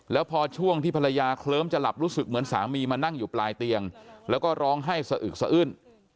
แล้วพอช่วงที่ภรรยาเคลิ้มจะหลับรู้สึกเหมือนสามีมานั่งอยู่ปลายเตียงแล้วก็ร้องไห้สะอึกสะอื้น